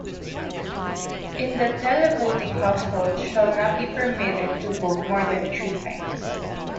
In the televoting household shall not be permitted to vote more than three times.